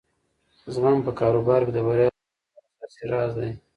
زغم په کاروبار کې د بریا لومړی او اساسي راز دی.